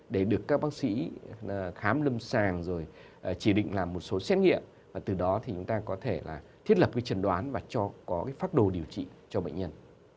để được các bác sĩ khám lâm sàng rồi chỉ định làm một số xét nghiệm và từ đó thì chúng ta có thể là thiết lập cái trần đoán và cho có phác đồ điều trị cho bệnh nhân